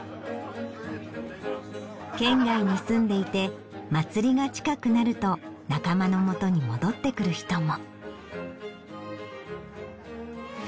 県外に住んでいてまつりが近くなると仲間の元に戻ってくる人も。